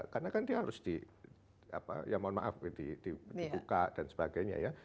kemudian dia harus di buka dan sebagainya ya